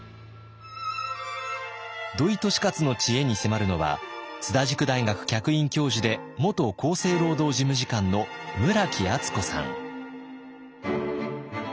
土井利勝の知恵に迫るのは津田塾大学客員教授で元・厚生労働事務次官の村木厚子さん。